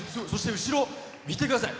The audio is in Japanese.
後ろ、見てください！